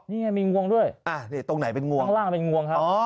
นี่ไงมีงวงด้วยตรงไหนเป็นงวงข้างล่างเป็นงวงครับ